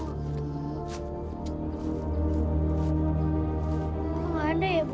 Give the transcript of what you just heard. oh tidak ada bunga mawar biru